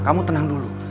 kamu tenang dulu